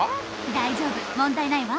大丈夫問題ないわ。